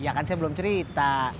ya kan saya belum cerita